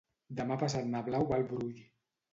Demà passat na Blau va al Brull.